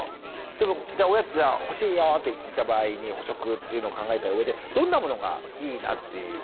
でもじゃおやつじゃあ欲しいよっていった場合に補食っていうのを考えたうえでどんなものがいいなっていうことですか？